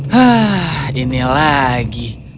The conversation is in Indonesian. hah ini lagi